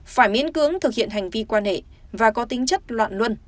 phải miễn cưỡng thực hiện hành vi quan hệ và có tính chất loạn luân